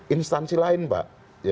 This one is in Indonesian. instansi lain pak